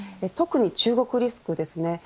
特に中国リスクですね。